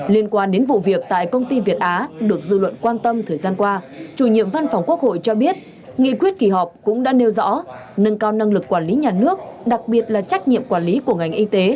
liên quan đến vụ việc tại công ty việt á được dư luận quan tâm thời gian qua chủ nhiệm văn phòng quốc hội cho biết nghị quyết kỳ họp cũng đã nêu rõ nâng cao năng lực quản lý nhà nước đặc biệt là trách nhiệm quản lý của ngành y tế